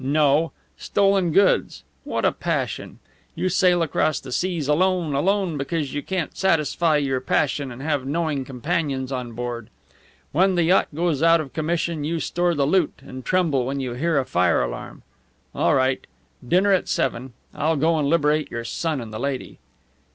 No! Stolen goods. What a passion! You sail across the seas alone, alone because you can't satisfy your passion and have knowing companions on board. When the yacht goes out of commission you store the loot, and tremble when you hear a fire alarm. All right. Dinner at seven. I'll go and liberate your son and the lady."